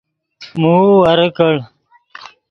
موؤ ورے کڑ